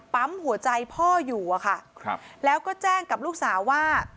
ปั๊มหัวใจพ่ออยู่อะค่ะครับแล้วก็แจ้งกับลูกสาวว่า